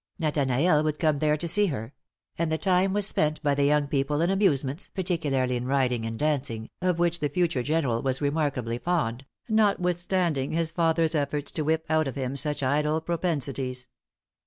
Nathanael would come there to see her; and the time was spent by the young people in amusements, particularly in riding and dancing, of which the future general was remarkably fond, notwithstanding his father's efforts to whip out of him such idle propensities.